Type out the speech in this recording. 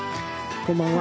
こんばんは。